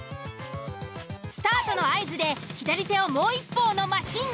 スタートの合図で左手をもう一方のマシンに。